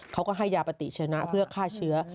เขาก็ให้ยาปฏิชนะเพื่อฆ่าเชื้อ